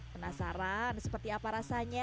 penasaran seperti apa rasanya